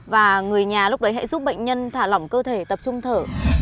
và người nhà lúc đấy hãy giúp bệnh nhân thả lỏng cơ thể tập trung thở